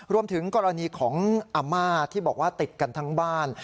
รวมถึงกรณีของอาม่าที่บอกว่าติดกันทั้งบ้าน